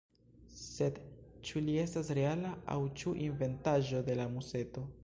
Sed ĉu li estas reala, aŭ ĉu inventaĵo de la museto?